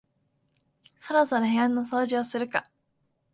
そろそろ部屋の掃除をするか